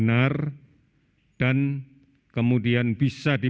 oleh karena itu harapan saya ini bisa memberikan informasi yang sangat baik